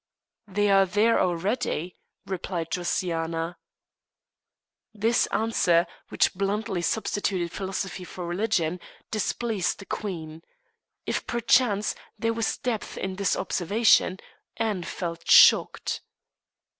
"They are there already," replied Josiana. This answer, which bluntly substituted philosophy for religion, displeased the queen. If, perchance, there was depth in the observation, Anne felt shocked.